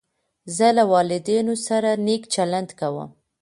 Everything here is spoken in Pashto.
زه له والدینو سره نېک چلند کوم.